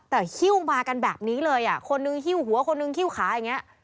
แต่หิ้วมากันแบบนี้เลยอ่ะคนนึงหิ้วหัวคนนึงหิ้วขาอย่างนี้